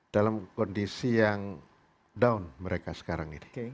dalam kondisi yang down mereka sekarang ini